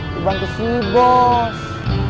dibantu si bos